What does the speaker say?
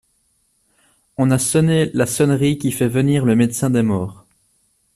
On a sonné la sonnerie qui fait venir le médecin des morts.